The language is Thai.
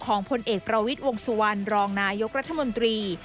พลเอกประวิทย์วงสุวรรณรองนายกรัฐมนตรี